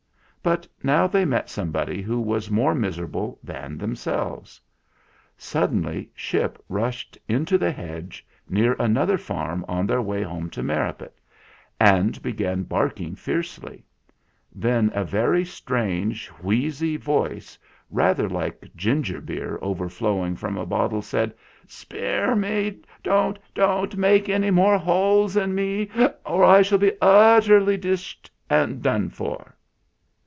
But now they met somebody who was more miserable than themselves. Suddenly Ship rushed into the hedge, near another farm on their way home to Merripit, THE SAD STRANGER 161 and began barking fiercely. Then a very strange wheezy voice rather like ginger beer overflowing from a bottle said : "Spare me! Don't, don't make any more holes in me or I shall be utterly dished and done for